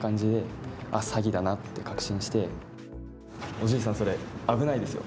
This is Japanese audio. おじいさん、それ、危ないですよ。